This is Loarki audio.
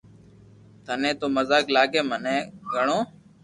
ٿني تو مزاق لاگي مني گھڙو